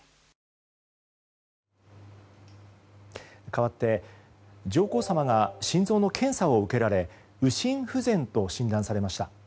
かわって上皇さまが心臓の検査を受けられ右心不全と診断されました。